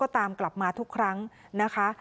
ตามกลับมาทุกครั้งนะคะ